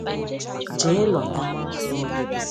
jee lọta